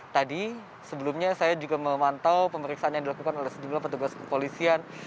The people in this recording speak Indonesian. tadi sebelumnya saya juga memantau pemeriksaan yang dilakukan oleh sejumlah petugas kepolisian